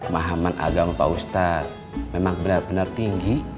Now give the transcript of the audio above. mahaman agama pak ustadz memang benar benar tinggi